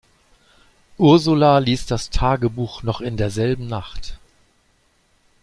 Ursula liest das Tagebuch noch in derselben Nacht.